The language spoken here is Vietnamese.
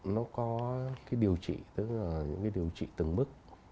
nó có cái điều trị tức là những cái điều trị từng bước